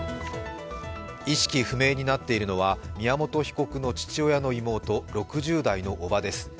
意識不明になっているのは宮本被告の父親の妹、６０代の叔母です。